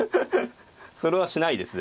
それはしないです。